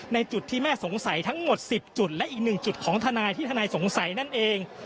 ในจุดที่แม่สงสัยทั้งหมด๑๐จุดและอีกหนึ่งจุดของทนายที่ทนายสงสัยนั่นเอง